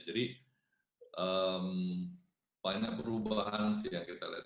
jadi lainnya perubahan sih yang kita lihat